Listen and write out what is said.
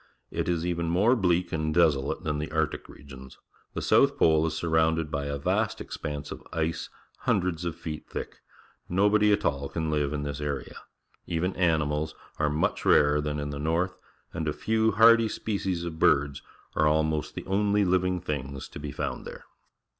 It is even more bleak and desolate than the Arctic regions. The south pole is surrounded by a vast expanse of ice hundreds of feet thick. Nobody at all can live in this area. Even animals are much rarer than in the north, and a few hardy species of birds are almost the only living things to be found there.